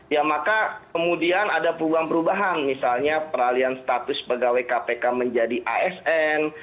ya maka kemudian ada perubahan perubahan misalnya peralian status pegawai kpk menjadi asn